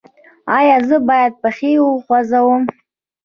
ایا زه باید پښې وغځوم؟